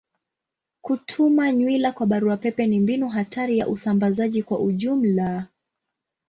Kutuma nywila kwa barua pepe ni mbinu hatari ya usambazaji kwa ujumla.